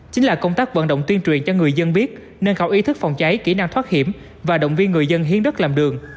chính là công tác vận động tuyên truyền cho người dân biết nâng cao ý thức phòng cháy kỹ năng thoát hiểm và động viên người dân hiến đất làm đường